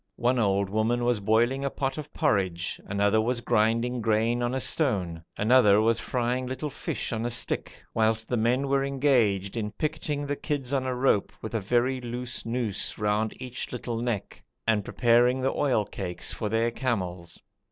One old woman was boiling a pot of porridge, another was grinding grain on a stone, another was frying little fish on a stick, whilst the men were engaged in picketing the kids on a rope with a very loose noose round each little neck, and preparing the oil cakes for their camels.